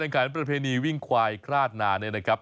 เอ้าการบรรไพรณีวิ่งควายคราชนาเนี่ยนะครับ